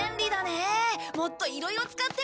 もっといろいろ使ってみたいな。